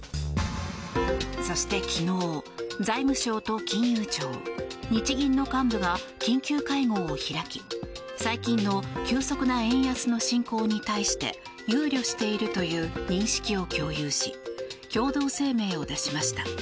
そして昨日、財務省と金融庁日銀の幹部が緊急会合を開き最近の急速な円安の進行に対して憂慮しているという認識を共有し共同声明を出しました。